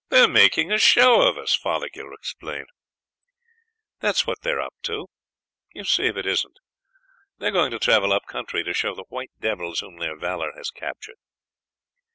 "They are making a show of us!" Fothergill exclaimed. "That's what they are up to, you see if it isn't; they are going to travel up country to show the 'white devils' whom their valor has captured."